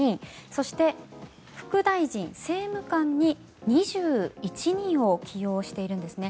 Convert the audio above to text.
そして副大臣、政務官に２１人を起用しているんですね。